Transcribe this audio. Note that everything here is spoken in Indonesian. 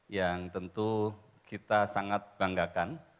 yang tentu kita sangat banggakan